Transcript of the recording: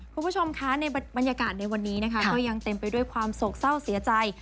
คุณผู้ชมคะในบรรยากาศในวันนี้นะคะก็ยังเต็มไปด้วยความโศกเศร้าเสียใจ